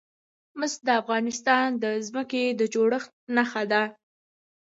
مس د افغانستان د ځمکې د جوړښت نښه ده.